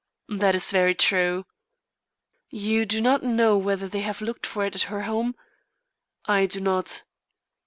"That is very true." "You do not know whether they have looked for it at her home?" "I do not."